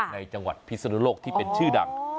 ในจังหวัดพิศนุโลกที่เป็นชื่อดัง